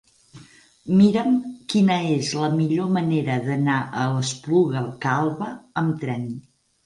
Mira'm quina és la millor manera d'anar a l'Espluga Calba amb tren.